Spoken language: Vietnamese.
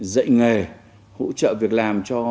dạy nghề hỗ trợ việc làm cho